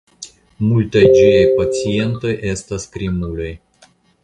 Multaj ĝiaj pacientoj estas krimuloj.